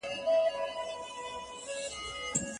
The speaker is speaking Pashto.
د مسلکي ښځو په ذريعه اشپزي، خياطي او نوريچاري ورته وښووئ